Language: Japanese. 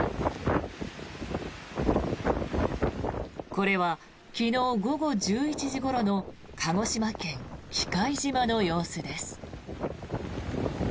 これは昨日午後１１時ごろの鹿児島県・喜界島の様子です。